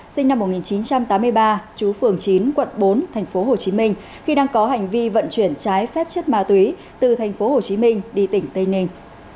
sinh năm một nghìn chín trăm tám mươi ba chú phường chín quận bốn tp hcm khi đang có hành vi vận chuyển trái phép chất ma túy từ tp hcm đi tỉnh tây ninh